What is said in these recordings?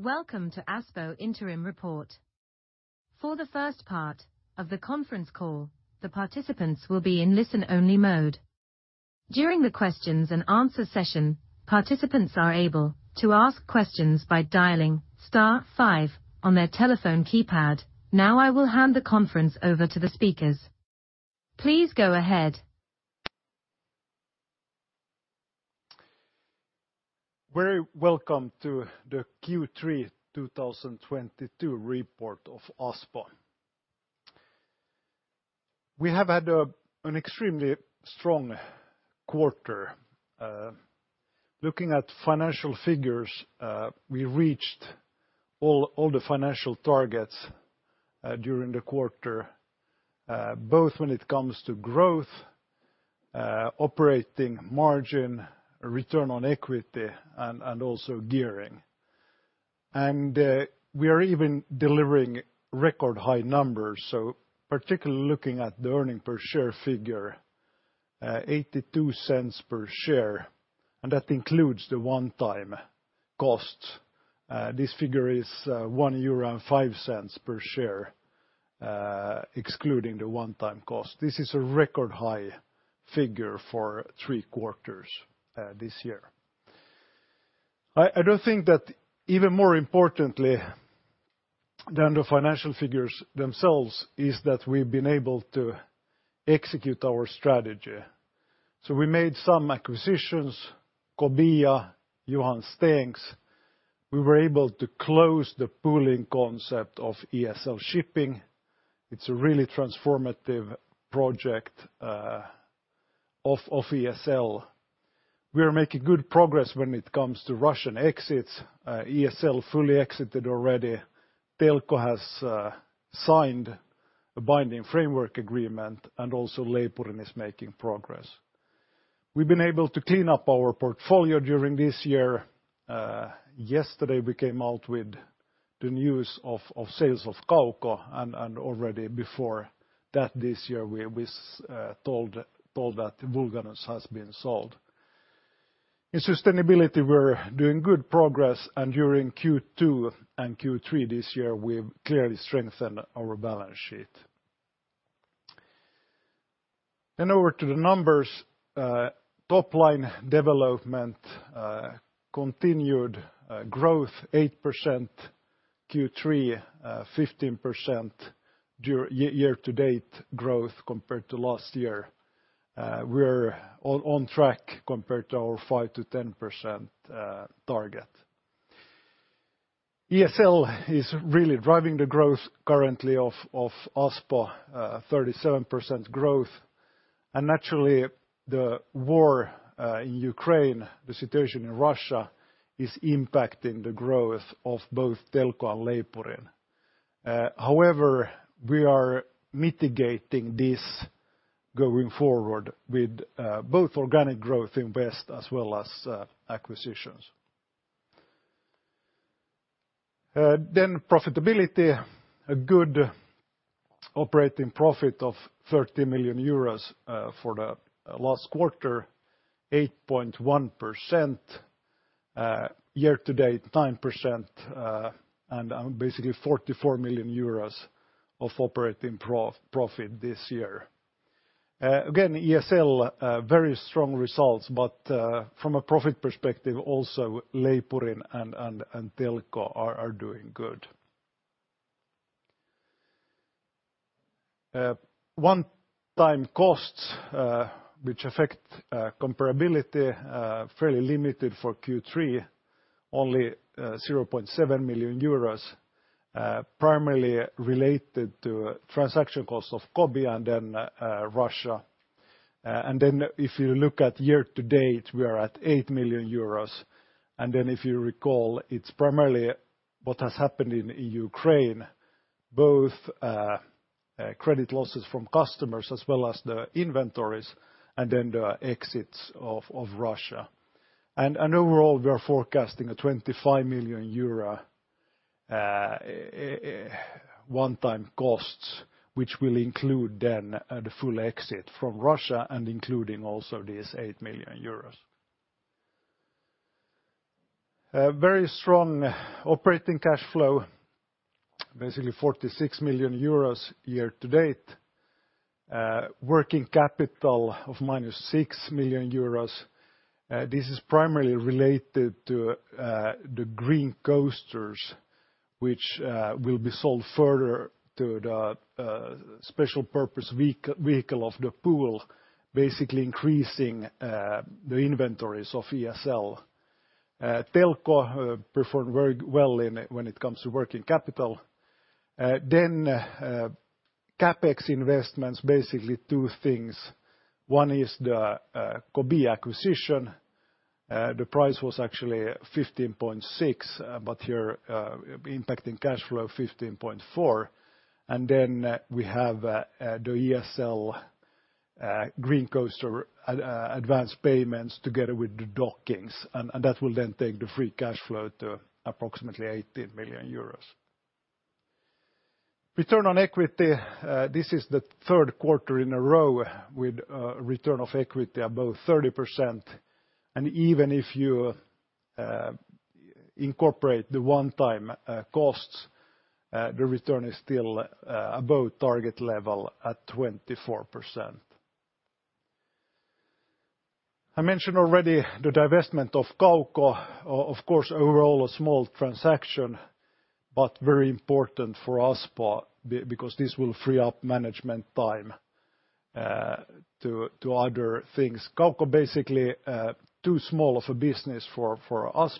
Welcome to Aspo Interim Report. For the first part of the Conference Call, the participants will be in listen-only mode. During the questions and answer session, participants are able to ask questions by dialing star five on their telephone keypad. Now I will hand the conference over to the speakers. Please go ahead. Very welcome to the Q3 2022 report of Aspo. We have had an extremely strong quarter. Looking at financial figures, we reached all the financial targets during the quarter, both when it comes to growth, operating margin, return on equity and also gearing. We are even delivering record high numbers. Particularly looking at the earnings per share figure, 0.82 per share, and that includes the one-time cost. This figure is 1.05 euro per share, excluding the one-time cost. This is a record high figure for three quarters this year. I do think that even more importantly than the financial figures themselves is that we've been able to execute our strategy. We made some acquisitions, Kobia, Johan Stengs. We were able to close the pooling concept of ESL Shipping. It's a really transformative project of ESL. We are making good progress when it comes to Russian exits. ESL fully exited already. Telko has signed a binding framework agreement, and also Leipurin is making progress. We've been able to clean up our portfolio during this year. Yesterday we came out with the news of sales of Kauko, and already before that, this year we told that Vulganus has been sold. In sustainability, we're doing good progress, and during Q2 and Q3 this year, we've clearly strengthened our balance sheet. Over to the numbers. Top line development continued growth 8% Q3, 15% year-to-date growth compared to last year. We're on track compared to our 5%-10% target. ESL is really driving the growth currently of Aspo, 37% growth. Naturally, the war in Ukraine, the situation in Russia is impacting the growth of both Telko and Leipurin. However, we are mitigating this going forward with both organic growth invest as well as acquisitions. Profitability, a good operating profit of 30 million euros for the last quarter, 8.1% year to date, 9%, basically 44 million euros of operating profit this year. Again, ESL very strong results, but from a profit perspective, also Leipurin and Telko are doing good. One-time costs which affect comparability fairly limited for Q3, only 0.7 million euros, primarily related to transaction costs of Kobia and then Russia. If you look at year-to-date, we are at 8 million euros. If you recall, it's primarily what has happened in Ukraine, both credit losses from customers as well as the inventories and then the exits of Russia. Overall, we are forecasting 25 million euro one-time costs, which will include the full exit from Russia and including also this 8 million euros. A very strong operating cash flow, basically 46 million euros year-to-date. Working capital of -6 million euros. This is primarily related to the Green Coasters, which will be sold further to the special purpose vehicle of the pool, basically increasing the inventories of ESL. Telko performed very well when it comes to working capital. Then, CapEx investments, basically two things. One is the Kobia acquisition. The price was actually 15.6, but here, impacting cash flow 15.4. Then we have the ESL Green Coaster advance payments together with the dockings. That will then take the free cash flow to approximately 80 million euros. Return on equity, this is the third quarter in a row with return on equity above 30%. Even if you incorporate the one-time costs, the return is still above target level at 24%. I mentioned already the divestment of Kauko. Of course, overall a small transaction, but very important for us, but because this will free up management time to other things. Kauko basically too small of a business for us,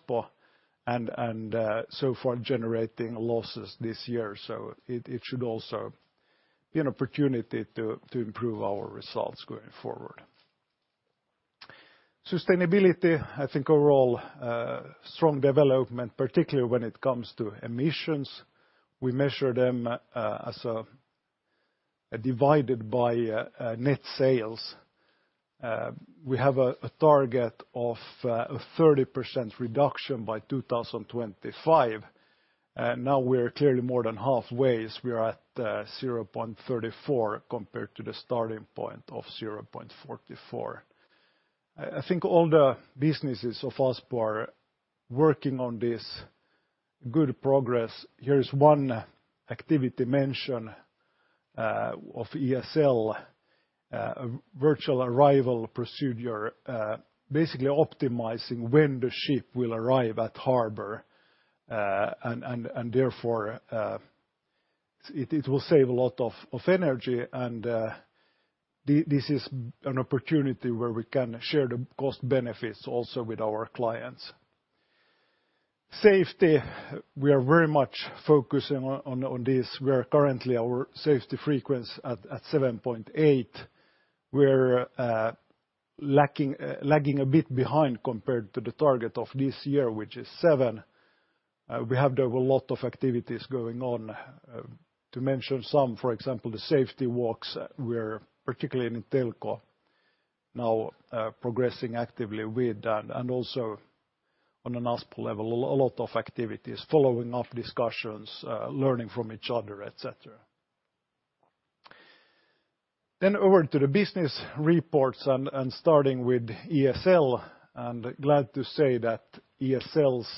and so far generating losses this year. So it should also be an opportunity to improve our results going forward. Sustainability, I think overall strong development, particularly when it comes to emissions. We measure them as a divided by net sales. We have a target of a 30% reduction by 2025. Now we're clearly more than halfway as we are at 0.34 compared to the starting point of 0.44. I think all the businesses of us are working on this good progress. Here is one activity mention of ESL virtual arrival procedure, basically optimizing when the ship will arrive at harbor. Therefore, it will save a lot of energy. This is an opportunity where we can share the cost benefits also with our clients. Safety, we are very much focusing on this. We are currently our safety frequency at 7.8. We're lagging a bit behind compared to the target of this year, which is seven. We have done a lot of activities going on. To mention some, for example, the safety walks we're particularly in Telko now progressing actively with that, and also on an Aspo level, a lot of activities, following up discussions, learning from each other, et cetera. Over to the business reports and starting with ESL, and glad to say that ESL's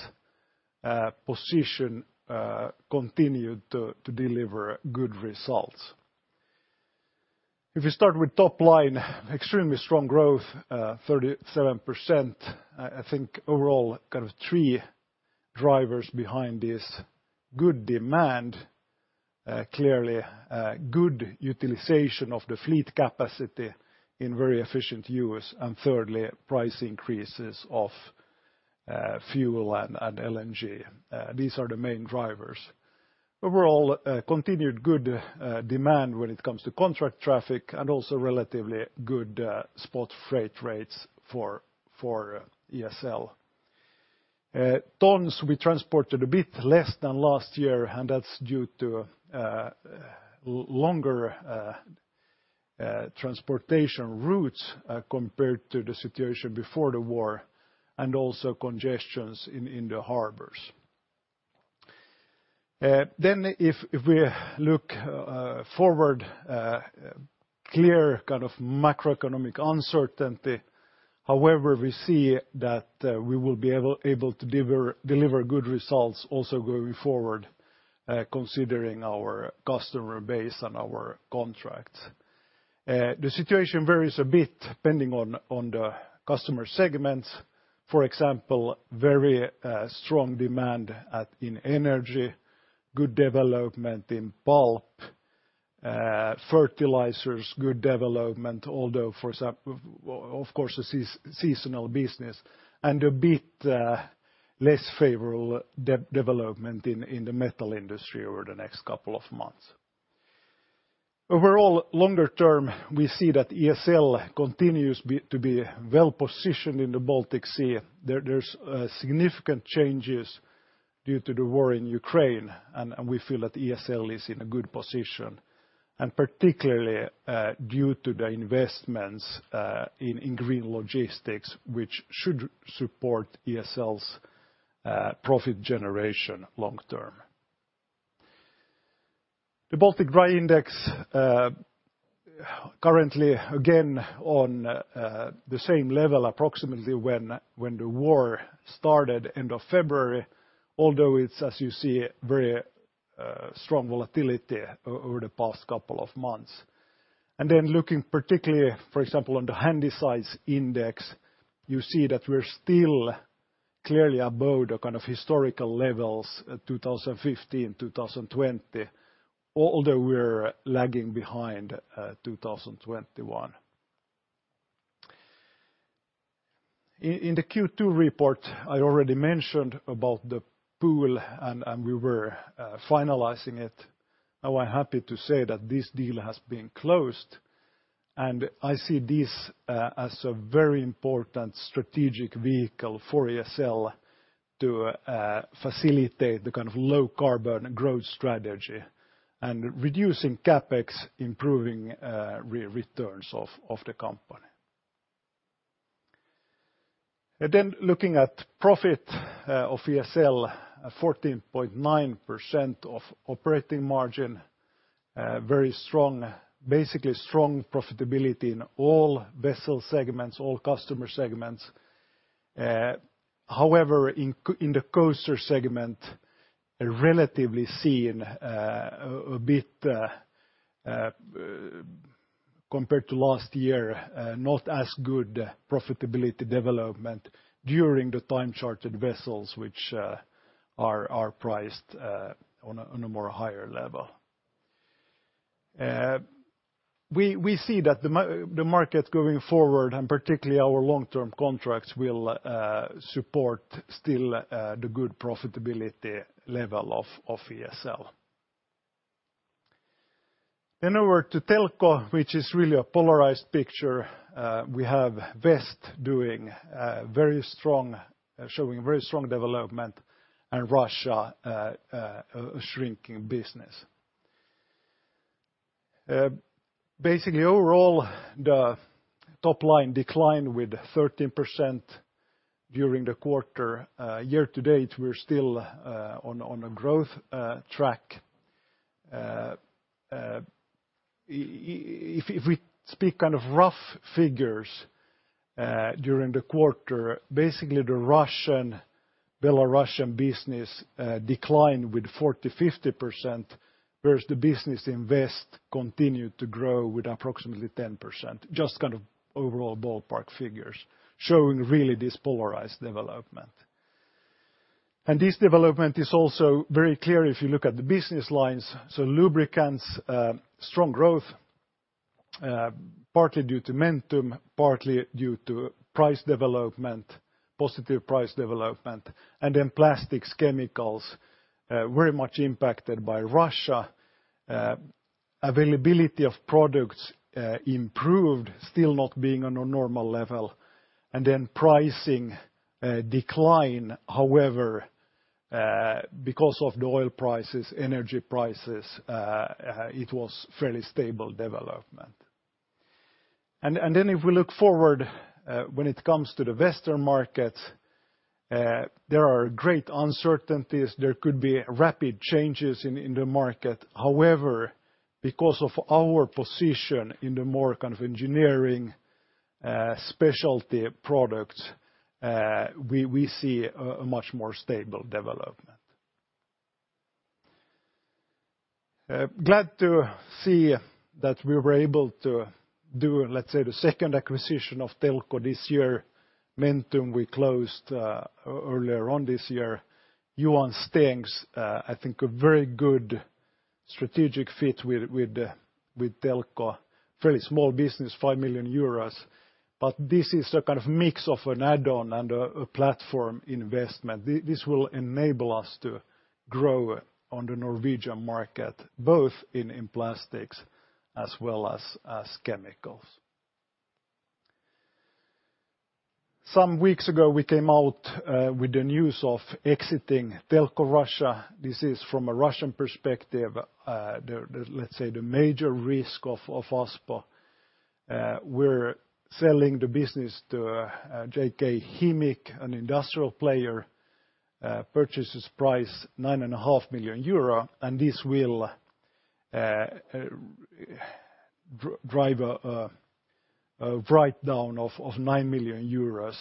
position continued to deliver good results. If you start with top line, extremely strong growth, 37%. I think overall kind of three drivers behind this good demand, clearly good utilization of the fleet capacity in very efficient use, and thirdly, price increases of fuel and LNG. These are the main drivers. Overall continued good demand when it comes to contract traffic and also relatively good spot freight rates for ESL. Tons we transported a bit less than last year, and that's due to longer transportation routes compared to the situation before the war and also congestions in the harbors. If we look forward, clear kind of macroeconomic uncertainty, however, we see that we will be able to deliver good results also going forward, considering our customer base and our contracts. The situation varies a bit depending on the customer segments. For example, very strong demand in energy, good development in pulp, fertilizers, good development, although for some, of course, a seasonal business, and a bit less favorable development in the metal industry over the next couple of months. Overall, longer term, we see that ESL continues to be well-positioned in the Baltic Sea. There's significant changes due to the war in Ukraine, and we feel that ESL is in a good position, and particularly due to the investments in green logistics, which should support ESL's profit generation long term. The Baltic Dry Index currently again on the same level approximately when the war started end of February, although it's, as you see, very strong volatility over the past couple of months. Looking particularly, for example, on the Handysize Index, you see that we're still clearly above the kind of historical levels 2015, 2020, although we're lagging behind 2021. In the Q2 report, I already mentioned about the pool and we were finalizing it. Now I'm happy to say that this deal has been closed, and I see this as a very important strategic vehicle for ESL to facilitate the kind of low carbon growth strategy and reducing CapEx, improving returns of the company. Looking at profit of ESL, at 14.9% operating margin, very strong. Basically strong profitability in all vessel segments, all customer segments. However, in the coaster segment, relatively seen, a bit compared to last year, not as good profitability development during the time chartered vessels, which are priced on a higher level. We see that the market going forward, and particularly our long-term contracts, will support still the good profitability level of ESL. Over to Telko, which is really a polarized picture. We have West doing very strong, showing very strong development and Russia shrinking business. Basically overall, the top line declined with 13% during the quarter. Year to date, we're still on a growth track. If we speak kind of rough figures, during the quarter, basically the Russian, Belarusian business declined with 40%-50%, whereas the business in West continued to grow with approximately 10%. Just kind of overall ballpark figures showing really this polarized development. This development is also very clear if you look at the business lines. Lubricants, strong growth, partly due to Mentum, partly due to price development, positive price development. Plastics, chemicals, very much impacted by Russia. Availability of products improved, still not on a normal level. Pricing decline. However, because of the oil prices, energy prices, it was fairly stable development. If we look forward, when it comes to the Western market, there are great uncertainties. There could be rapid changes in the market. However, because of our position in the more kind of engineered specialty products, we see a much more stable development. Glad to see that we were able to do, let's say, the second acquisition of Telko this year. Mentum we closed earlier on this year. Johan Stengs, I think a very good strategic fit with Telko. Fairly small business, 5 million euros, but this is a kind of mix of an add-on and a platform investment. This will enable us to grow on the Norwegian market, both in plastics as well as chemicals. Some weeks ago, we came out with the news of exiting Telko Russia. This is from a Russian perspective, let's say the major risk for Aspo. We're selling the business to Khimik, an industrial player. Purchase price 9.5 million euro, and this will drive a write-down of 9 million euros,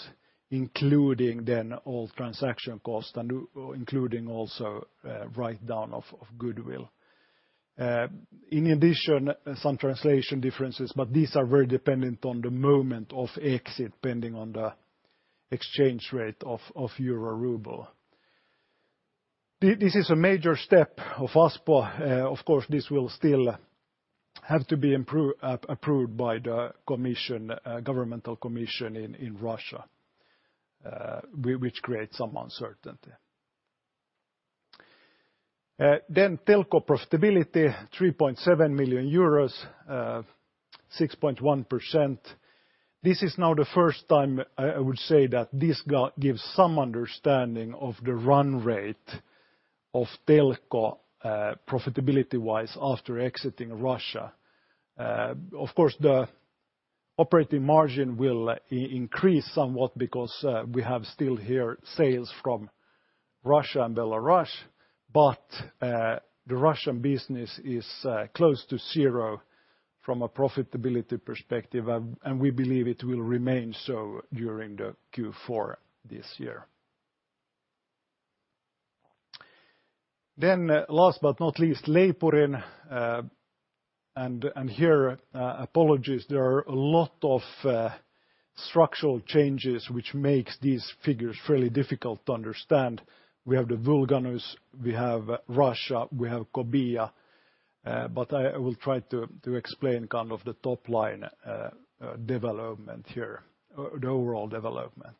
including then all transaction costs and including also write-down of goodwill. In addition, some translation differences, but these are very dependent on the moment of exit, depending on the exchange rate of euro ruble. This is a major step for Aspo. Of course, this will still have to be approved by the governmental commission in Russia, which creates some uncertainty. Telko profitability, EUR 3.7 million, 6.1%. This is now the first time I would say that this gives some understanding of the run rate of Telko, profitability-wise after exiting Russia. Of course, the operating margin will increase somewhat because we have still here sales from Russia and Belarus, but the Russian business is close to zero from a profitability perspective, and we believe it will remain so during the Q4 this year. Last but not least, Leipurin, and here, apologies, there are a lot of structural changes which makes these figures fairly difficult to understand. We have the Vulganus, we have Russia, we have Kobia, but I will try to explain kind of the top-line development here, the overall development.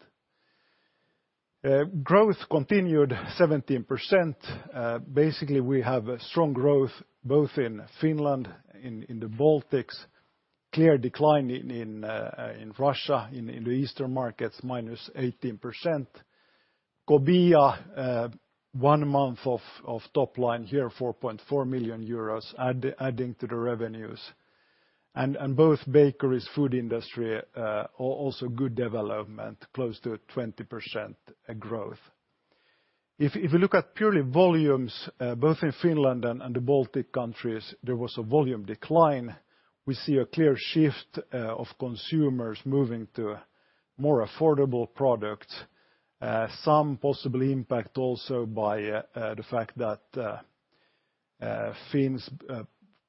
Growth continued 17%. Basically, we have a strong growth both in Finland, in the Baltics, clear decline in Russia, in the Eastern markets, -18%. obia, one month of top line here, 4.4 million euros adding to the revenues. Both bakeries, food industry, also good development, close to a 20% growth. If you look at purely volumes, both in Finland and the Baltic countries, there was a volume decline. We see a clear shift of consumers moving to more affordable products. Some possible impact also by the fact that Finns,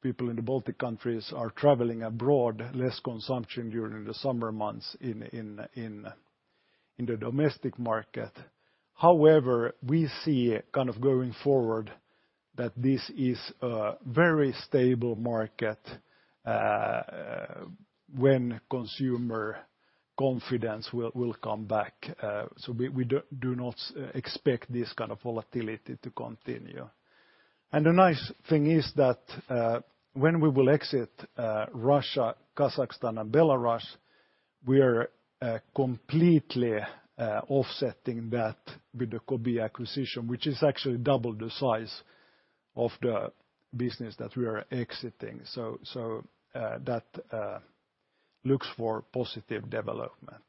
people in the Baltic countries, are traveling abroad, less consumption during the summer months in the domestic market. However, we see kind of going forward that this is a very stable market when consumer confidence will come back. We do not expect this kind of volatility to continue. The nice thing is that when we will exit Russia, Kazakhstan, and Belarus, we are completely offsetting that with the Kobia acquisition, which is actually double the size of the business that we are exiting. That looks for positive development.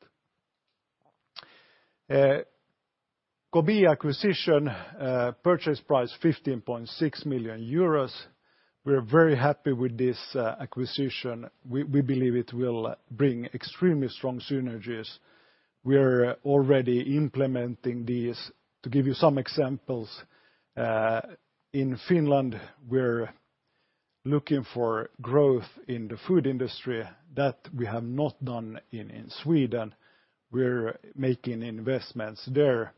Kobia acquisition purchase price 15.6 million euros. We're very happy with this acquisition. We believe it will bring extremely strong synergies. We're already implementing these. To give you some examples, in Finland, we're looking for growth in the food industry. That we have not done in Sweden. We're making investments there.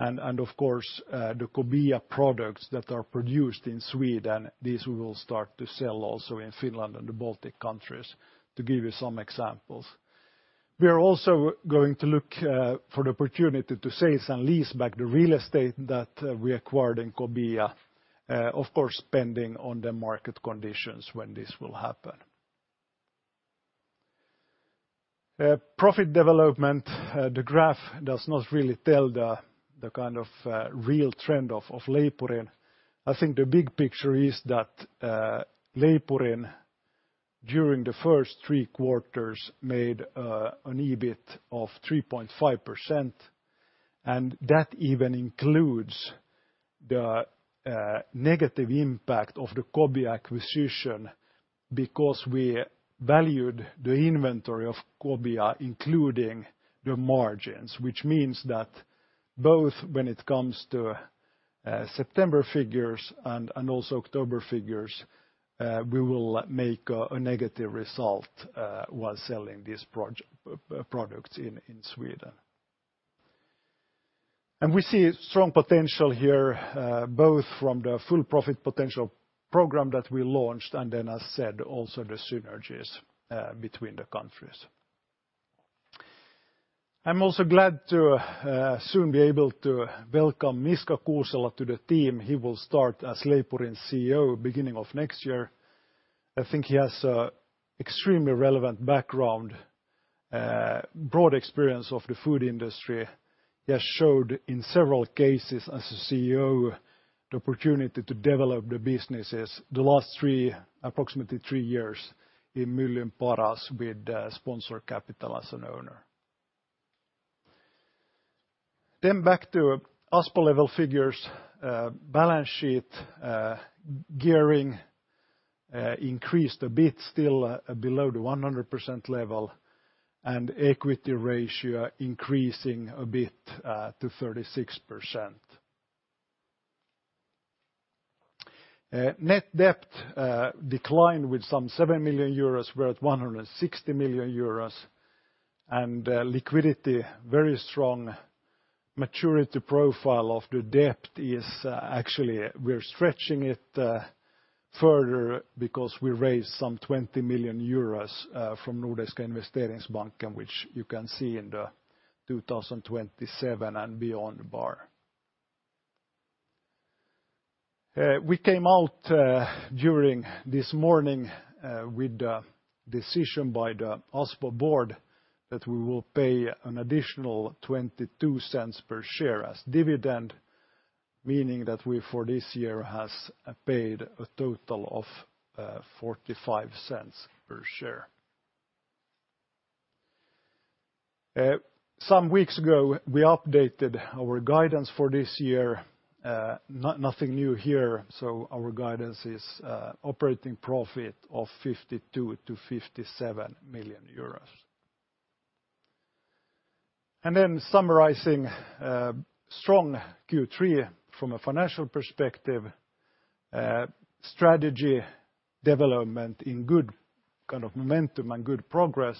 Of course, the Kobia products that are produced in Sweden, these we will start to sell also in Finland and the Baltic countries, to give you some examples. We are also going to look for the opportunity to sale and leaseback the real estate that we acquired in Kobia, of course, depending on the market conditions when this will happen. Profit development, the graph does not really tell the kind of real trend of Leipurin. I think the big picture is that Leipurin, during the first three quarters, made an EBIT of 3.5%, and that even includes the negative impact of the Kobia acquisition, because we valued the inventory of Kobia, including the margins, which means that both when it comes to September figures and also October figures, we will make a negative result while selling these products in Sweden. We see strong potential here, both from the full profit potential program that we launched, and then as said, also the synergies between the countries. I'm also glad to soon be able to welcome Miska Kuusela to the team. He will start as Leipurin's CEO beginning of next year. I think he has an extremely relevant background, broad experience of the food industry. He has showed in several cases as a CEO the opportunity to develop the businesses the last three, approximately three years in Myllyn Paras with Sponsor Capital as an owner. Back to Aspo level figures. Balance sheet, gearing increased a bit, still below the 100% level, and equity ratio increasing a bit to 36%. Net debt declined by some 7 million euros. We're at 160 million euros. Liquidity, very strong. Maturity profile of the debt is actually we're stretching it further because we raised some 20 million euros from Nordic Investment Bank, which you can see in the 2027 and beyond bar. We came out during this morning with the decision by the Aspo board that we will pay an additional 0.22 per share as dividend, meaning that we for this year has paid a total of 0.45 per share. Some weeks ago, we updated our guidance for this year. Nothing new here, so our guidance is operating profit of EUR 52 million-EUR 57 million. Then summarizing a strong Q3 from a financial perspective, strategy development in good kind of momentum and good progress,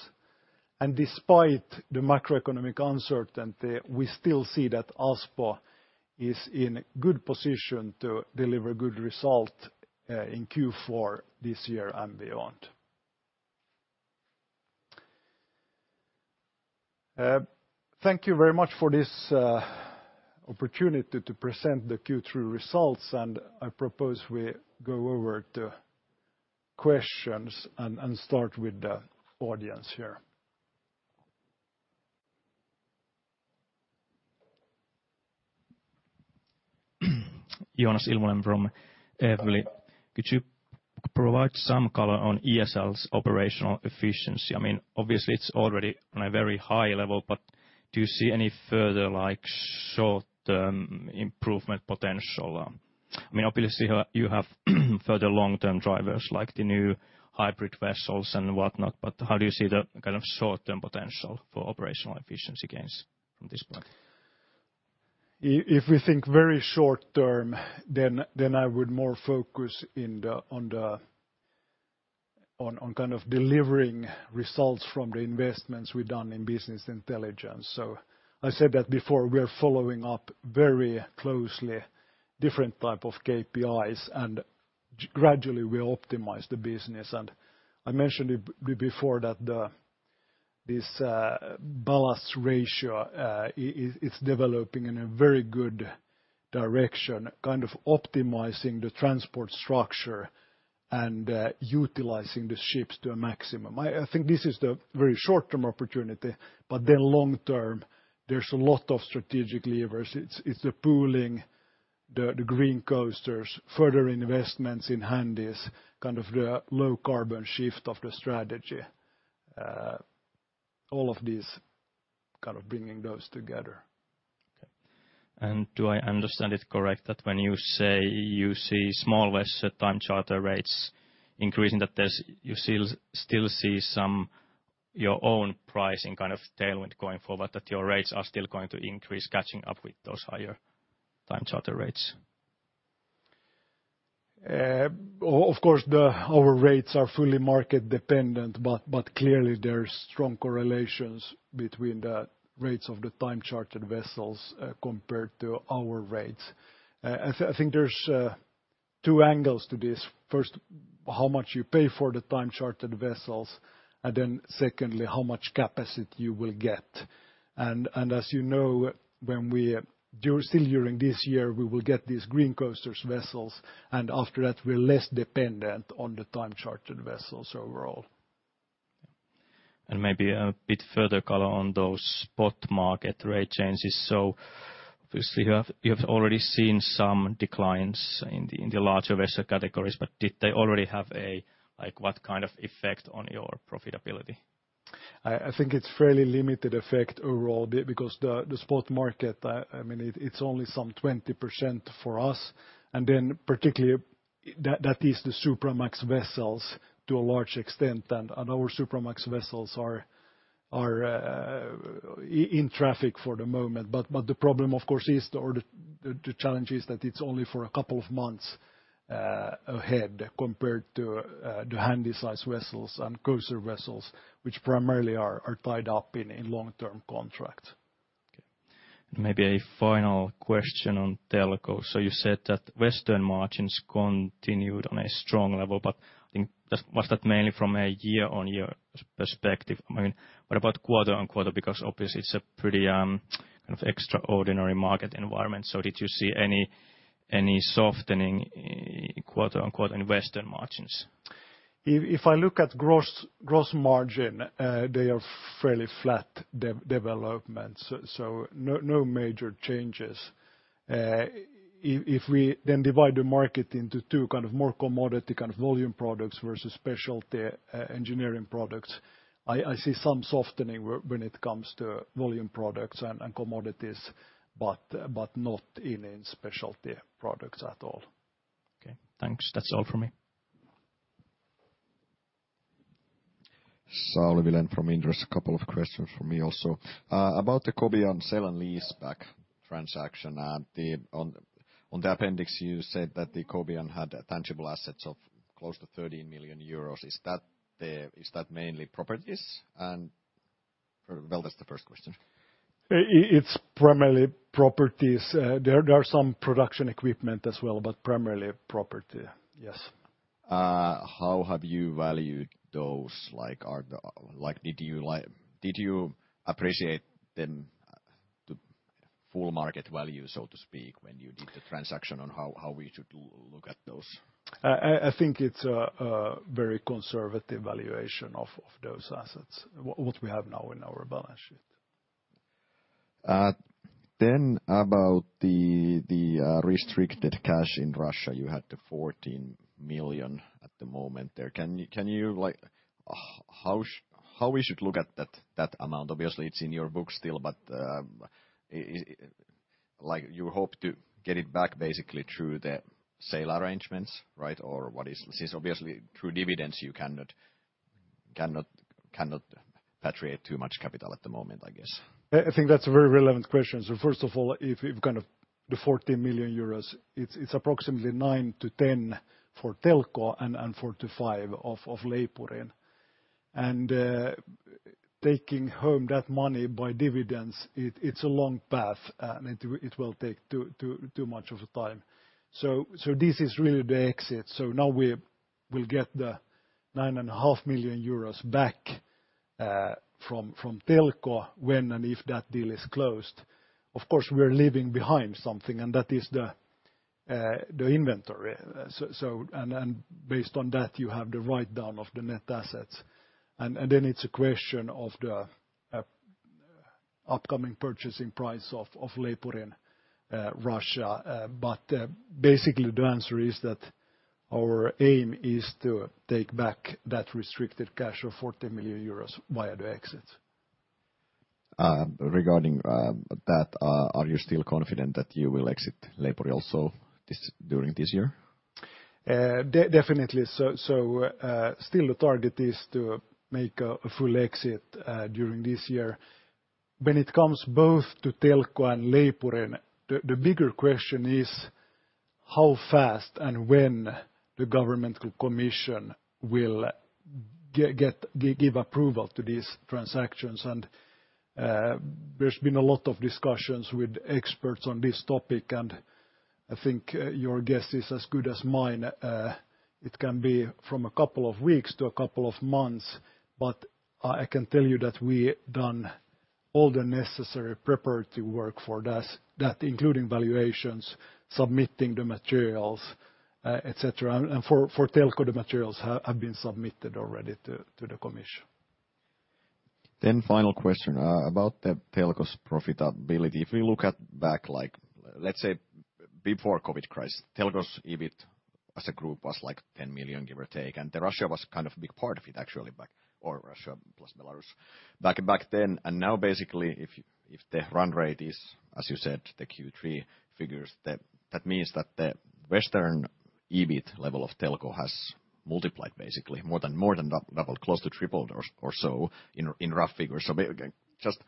and despite the macroeconomic uncertainty, we still see that Aspo is in good position to deliver good result in Q4 this year and beyond. Thank you very much for this opportunity to present the Q3 results, and I propose we go over to Q&A. Questions and start with the audience here. Joonas Ilvonen from Evli. Could you provide some color on ESL's operational efficiency? I mean, obviously, it's already on a very high level, but do you see any further, like, short-term improvement potential? I mean, obviously, you have further long-term drivers like the new hybrid vessels and whatnot, but how do you see the kind of short-term potential for operational efficiency gains from this point? If we think very short-term, then I would more focus on kind of delivering results from the investments we've done in business intelligence. I said that before, we are following up very closely different type of KPIs, and gradually we optimize the business. I mentioned it before that this ballast ratio is, it's developing in a very good direction, kind of optimizing the transport structure and utilizing the ships to a maximum. I think this is the very short-term opportunity, but then long-term, there's a lot of strategic levers. It's pooling the Green Coasters, further investments in Handys, kind of the low carbon shift of the strategy. All of these, kind of bringing those together. Okay. Do I understand it correct that when you say you see small vessel time charter rates increasing, that you still see some your own pricing kind of tailwind going forward, that your rates are still going to increase catching up with those higher time charter rates? Of course our rates are fully market-dependent, but clearly there's strong correlations between the rates of the time chartered vessels compared to our rates. I think there's two angles to this. First, how much you pay for the time chartered vessels, and then secondly, how much capacity you will get. As you know, during still during this year, we will get these Green Coaster vessels, and after that, we're less dependent on the time chartered vessels overall. Maybe a bit further color on those spot market rate changes. Obviously you have already seen some declines in the larger vessel categories, but did they already have a, like, what kind of effect on your profitability? I think it's fairly limited effect overall because the spot market, I mean it's only some 20% for us. Particularly that is the Supramax vessels to a large extent, and our Supramax vessels are in traffic for the moment, but the problem, of course, is or the challenge is that it's only for a couple of months ahead, compared to the Handysize vessels and Coaster vessels which primarily are tied up in a long-term contract. Okay. Maybe a final question on Telko. You said that Western margins continued on a strong level, but I think was that mainly from a year-on-year perspective? I mean, what about quarter-on-quarter? Because obviously it's a pretty kind of extraordinary market environment. Did you see any softening in quarter-on-quarter in Western margins? If I look at gross margin, they are fairly flat developments, so no major changes. If we then divide the market into two kind of more commodity, kind of volume products versus specialty engineering products, I see some softening when it comes to volume products and commodities, but not in any specialty products at all. Okay, thanks. That's all from me. Sauli Vilén from Inderes. A couple of questions from me also. About the Kobia sale and lease-back transaction. On the appendix, you said that the Kobia had tangible assets of close to 13 million euros. Is that mainly properties? Well, that's the first question. It's primarily properties. There are some production equipment as well, but primarily property. Yes. How have you valued those? Like, did you appreciate them to full market value, so to speak, and how we should look at those? I think it's a very conservative valuation of those assets, what we have now in our balance sheet. About the restricted cash in Russia. You had the 14 million at the moment there. Can you like how we should look at that amount? Obviously, it's in your book still, but like, you hope to get it back basically through the sale arrangements, right? Or what is? Since obviously through dividends you cannot repatriate too much capital at the moment, I guess. I think that's a very relevant question. First of all, if kind of the 14 million euros, it's approximately 9-10 million for Telko and 4-5 million of Leipurin. Taking home that money by dividends, it's a long path, and it will take too much of a time. This is really the exit. Now we will get the 9.5 million euros back from Telko when and if that deal is closed. Of course, we're leaving behind something and that is the inventory. Based on that, you have the write-down of the net assets. Then it's a question of the upcoming purchasing price of Leipurin, Russia. Basically the answer is that our aim is to take back that restricted cash of 40 million euros via the exit. Regarding that, are you still confident that you will exit Leipurin also during this year? Definitely. Still the target is to make a full exit during this year. When it comes both to Telko and Leipurin, the bigger question is how fast and when the governmental commission will give approval to these transactions. There's been a lot of discussions with experts on this topic, and I think your guess is as good as mine. It can be from a couple of weeks to a couple of months, but I can tell you that we've done all the necessary preparatory work for this, including valuations, submitting the materials, et cetera. For Telko, the materials have been submitted already to the commission. Final question about Telko's profitability. If we look back like, let's say before COVID crisis, Telko's EBIT as a group was like 10 million, give or take. Russia was kind of a big part of it actually back then. Or Russia plus Belarus back then. Now basically, if the run rate is, as you said, the Q3 figures, that means that the Western EBIT level of Telko has multiplied basically. More than doubled, close to tripled or so in rough figures. Again, just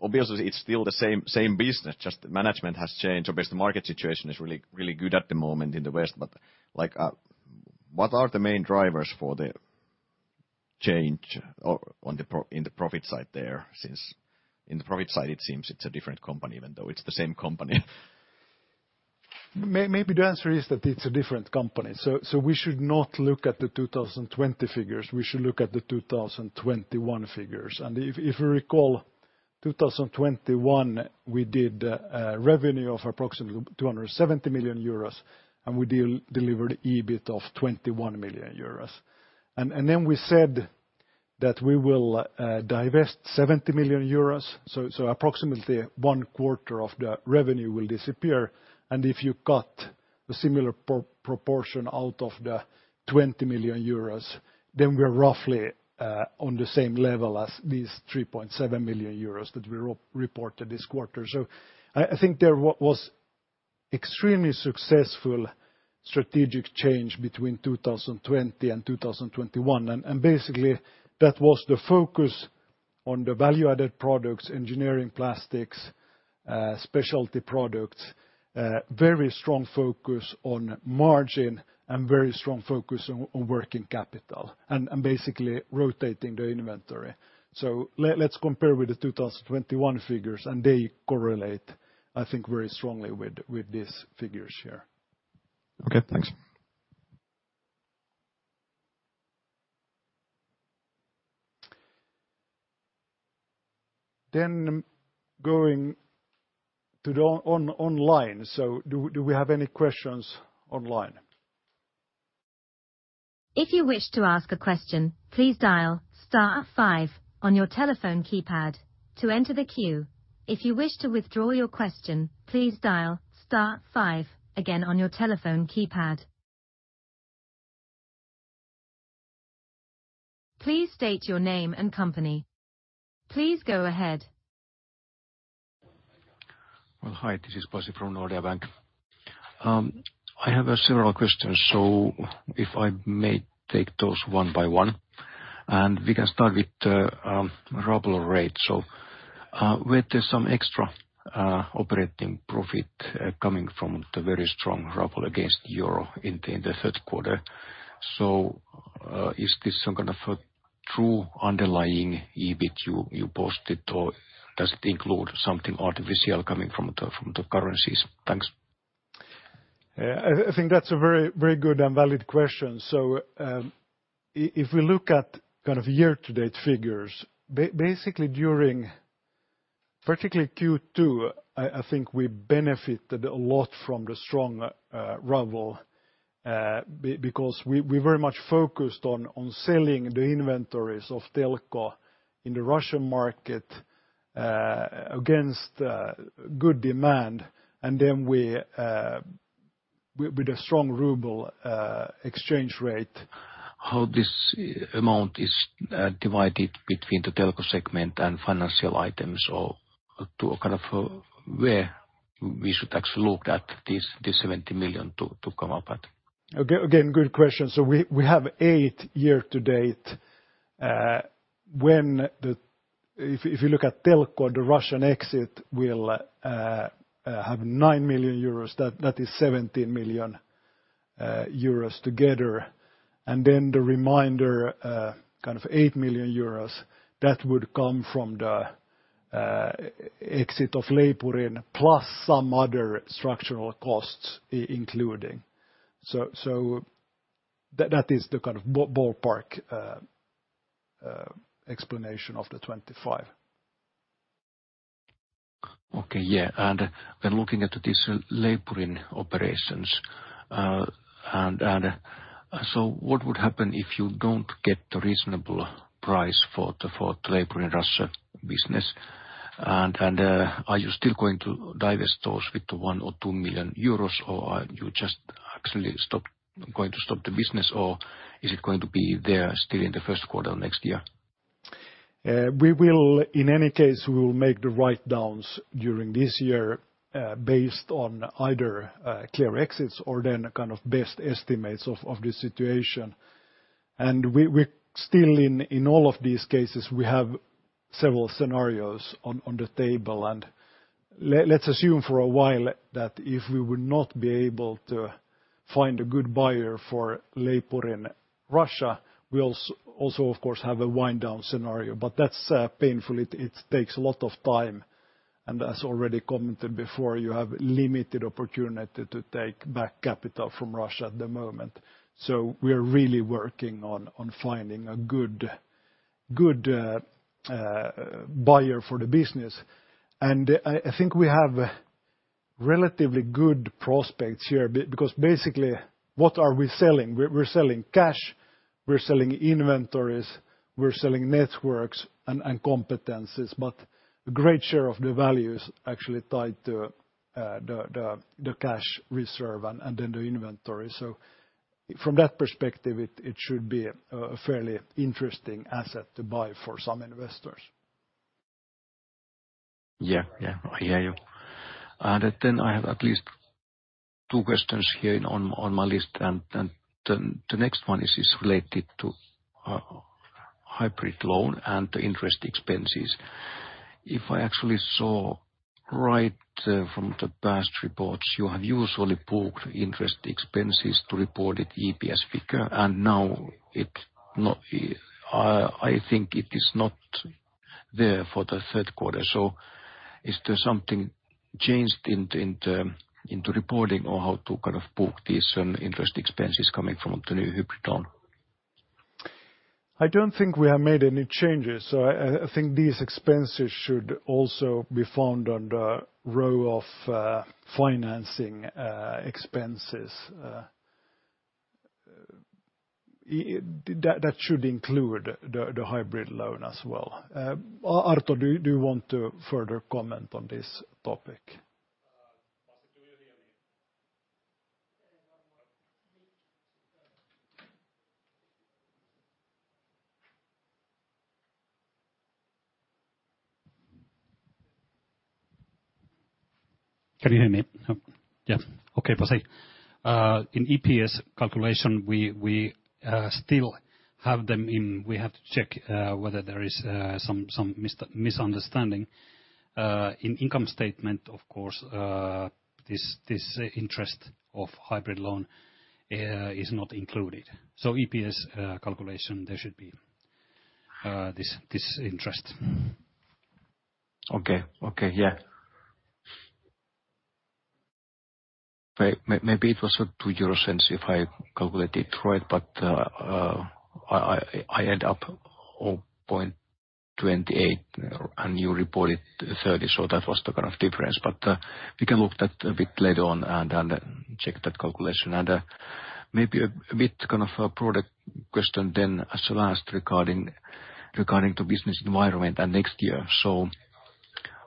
obviously it's still the same business, just management has changed. Obviously, market situation is really good at the moment in the West. Like, what are the main drivers for the change in the profit side there, since in the profit side, it seems it's a different company even though it's the same company. Maybe the answer is that it's a different company. We should not look at the 2020 figures, we should look at the 2021 figures. If you recall, 2021 we did a revenue of approximately 270 million euros, and we delivered EBIT of 21 million euros. Then we said that we will divest 70 million euros, so approximately one quarter of the revenue will disappear. If you cut a similar proportion out of the 20 million euros, then we're roughly on the same level as these 3.7 million euros that we reported this quarter. I think there was extremely successful strategic change between 2020 and 2021, and basically that was the focus on the value-added products, engineering plastics, specialty products, very strong focus on margin and very strong focus on working capital and basically rotating the inventory. Let's compare with the 2021 figures, and they correlate, I think, very strongly with these figures here. Okay, thanks. Going to the online. Do we have any questions online? If you wish to ask a question, please dial star five on your telephone keypad to enter the queue. If you wish to withdraw your question, please dial star five again on your telephone keypad. Please state your name and company. Please go ahead. Well, hi. This is Pasi from Nordea Bank. I have several questions. If I may take those one by one. We can start with the ruble rate. With some extra operating profit coming from the very strong ruble against euro in the third quarter. Is this some kind of a true underlying EBIT you posted or does it include something artificial coming from the currencies? Thanks. Yeah. I think that's a very, very good and valid question. If we look at kind of year-to-date figures, basically during particularly Q2, I think we benefited a lot from the strong ruble because we very much focused on selling the inventories of Telko in the Russian market against good demand. We with the strong ruble exchange rate. How this amount is divided between the Telko segment and financial items or to a kind of where we should actually look at this 70 million to come up at. Again, good question. We have 8 year to date. If you look at Telko, the Russian exit will have 9 million euros, that is 17 million euros together. Then the remainder, kind of 8 million euros, that would come from the exit of Leipurin plus some other structural costs including. That is the kind of ballpark explanation of the 25. Okay. Yeah. Looking at this Leipurin operations, what would happen if you don't get the reasonable price for the Leipurin Russia business? Are you still going to divest those with the 1-2 million euros, or are you just actually going to stop the business, or is it going to be there still in the first quarter next year? In any case, we will make the write-downs during this year, based on either clear exits or then kind of best estimates of the situation. We still, in all of these cases, have several scenarios on the table. Let's assume for a while that if we would not be able to find a good buyer for Leipurin Russia, we also of course have a wind down scenario. But that's painful. It takes a lot of time. As already commented before, you have limited opportunity to take back capital from Russia at the moment. We are really working on finding a good buyer for the business. I think we have relatively good prospects here because basically what are we selling? We're selling cash, we're selling inventories, we're selling networks and competencies. A great share of the value is actually tied to the cash reserve and then the inventory. From that perspective, it should be a fairly interesting asset to buy for some investors. Yeah. I hear you. Then I have at least two questions here on my list. The next one is related to hybrid loan and the interest expenses. If I actually saw right from the past reports, you have usually booked interest expenses to reported EPS figure, and now I think it is not there for the third quarter. Is there something changed in the reporting or how to kind of book these interest expenses coming from the new hybrid loan? I don't think we have made any changes. I think these expenses should also be found on the row of financing expenses. That should include the hybrid loan as well. Arto, do you want to further comment on this topic? Pasi, do you hear me? Can you hear me? Yeah. Okay, Pasi. In EPS calculation, we still have them in. We have to check whether there is some misunderstanding. In income statement, of course, this interest of hybrid loan is not included. EPS calculation, there should be this interest. Okay. Yeah. Maybe it was 0.02 if I calculated it right. But I end up 0.28, and you reported 0.30, so that was the kind of difference. But we can look at that a bit later on and check that calculation. Maybe a bit kind of a product question then the last regarding the business environment and next year.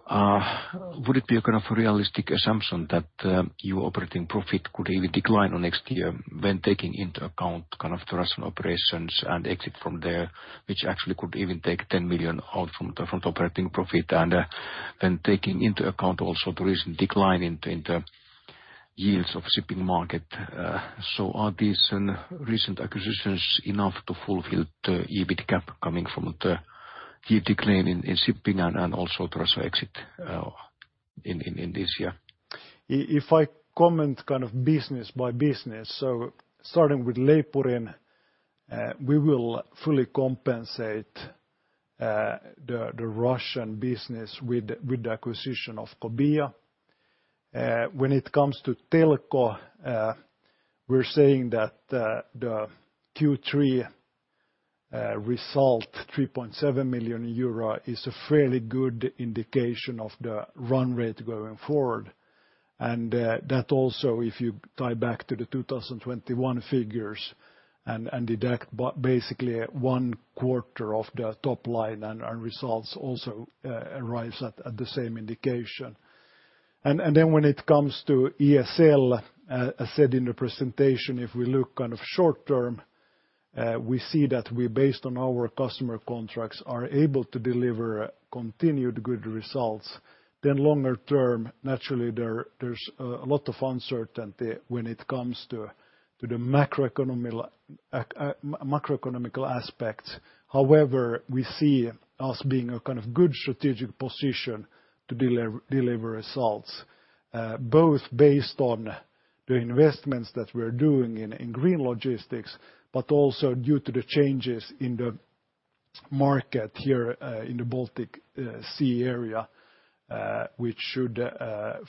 Would it be a kind of a realistic assumption that your operating profit could even decline in next year when taking into account kind of the Russian operations and exit from there, which actually could even take 10 million out from the operating profit, and taking into account also the recent decline in the yields of shipping market, are these recent acquisitions enough to fulfill the EBIT gap coming from the key decline in shipping and also the Russia exit in this year? If I comment kind of business by business, starting with Leipurin, we will fully compensate the Russian business with the acquisition of Kobia. When it comes to Telko, we're saying that the Q3 result, 3.7 million euro, is a fairly good indication of the run rate going forward. That also, if you tie back to the 2021 figures and deduct basically one quarter of the top line and results also arrives at the same indication. When it comes to ESL, as said in the presentation, if we look kind of short term, we see that we, based on our customer contracts, are able to deliver continued good results. Longer term, naturally, there's a lot of uncertainty when it comes to the macroeconomic aspect. However, we see us being a kind of good strategic position to deliver results, both based on the investments that we're doing in green logistics, but also due to the changes in the market here in the Baltic Sea area, which should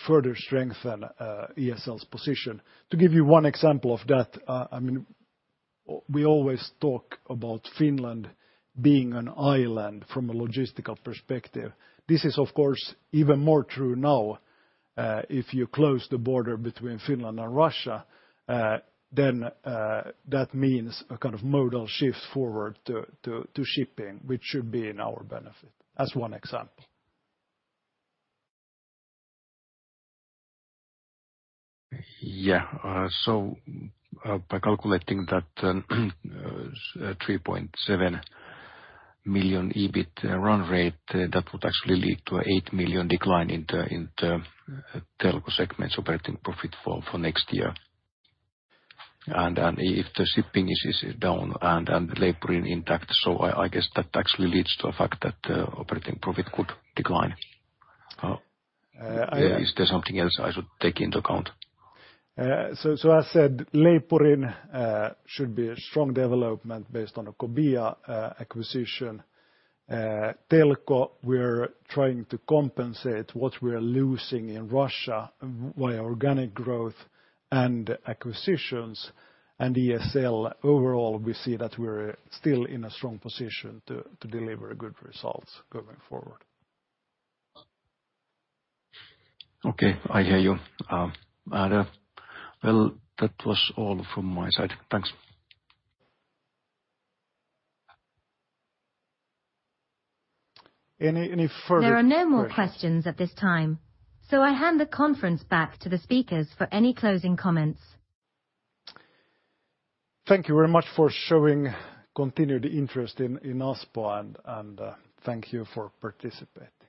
further strengthen ESL's position. To give you one example of that, I mean, we always talk about Finland being an island from a logistical perspective. This is of course even more true now, if you close the border between Finland and Russia, then that means a kind of modal shift forward to shipping, which should be in our benefit. As one example. Yeah. By calculating that, 3.7 million EBIT run rate, that would actually lead to 8 million decline in the Telko segment's operating profit for next year. If the shipping is down and Leipurin intact, I guess that actually leads to a fact that operating profit could decline. Uh, I, uh- Is there something else I should take into account? As said, Leipurin should be a strong development based on the Kobia acquisition. Telko, we're trying to compensate what we're losing in Russia via organic growth and acquisitions. ESL, overall, we see that we're still in a strong position to deliver good results going forward. Okay. I hear you. Well, that was all from my side. Thanks. Any further questions? There are no more questions at this time, so I hand the conference back to the speakers for any closing comments. Thank you very much for showing continued interest in Aspo and thank you for participating.